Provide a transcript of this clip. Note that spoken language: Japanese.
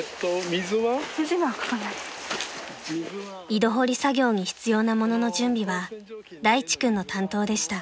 ［井戸掘り作業に必要な物の準備は大地君の担当でした］